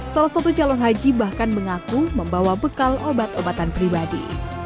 salah satu calon haji bahkan mengaku membawa bekal obat obatan pribadi